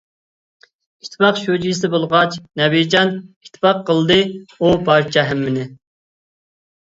ئىتتىپاق شۇجىسى بولغاچ نەبىجان، ئىتتىپاق قىلدى ئۇ بارچە ھەممىنى.